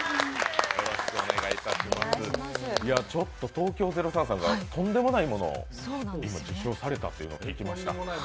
東京０３さんがとんでもないものを受賞されたと聞きました。